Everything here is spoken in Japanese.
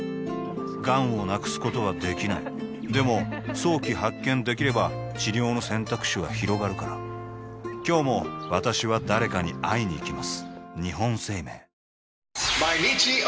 がんを無くすことはできないでも早期発見できれば治療の選択肢はひろがるから今日も私は誰かに会いにいきます